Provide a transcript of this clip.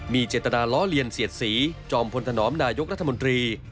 มีเจตนาล้อเลียนเสียดสีจอมพลธนอมนายกรัฐมนตรี